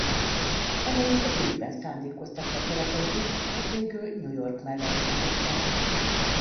Eleinte Bécsben szándékoztak letelepedni majd végül New York mellett döntöttek.